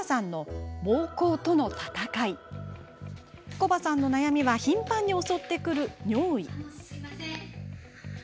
コバさんの悩みは頻繁に襲ってくる尿意。